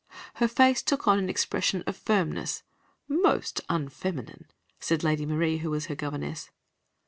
Her face took on an expression of firmness, "most unfeminine," said Lady Marie, who was her governess.